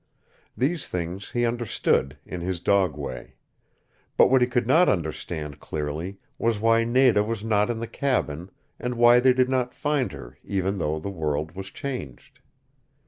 These things he understood, in his dog way. But what he could not understand clearly was why Nada was not in the cabin, and why they did not find her, even though the world was changed.